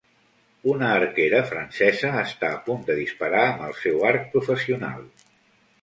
Una arquera francesa està a punt de disparar amb el seu arc professional.